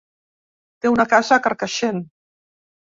Té una casa a Carcaixent.